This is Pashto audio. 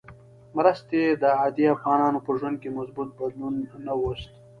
مرستې د عادي افغانانو په ژوند کې مثبت بدلون نه وست.